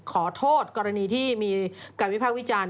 ขอโทษกรณีที่มีการวิภาควิจารณ์